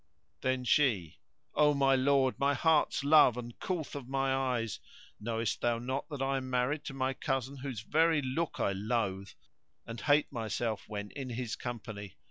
Then she, "O my lord, my heart's love and coolth of my eyes,[FN#121] knowest thou not that I am married to my cousin whose very look I loathe, and hate myself when in his company?